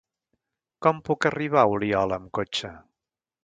Com puc arribar a Oliola amb cotxe?